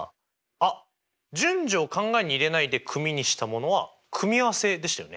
あっ順序を考えに入れないで組にしたものは組合せでしたよね。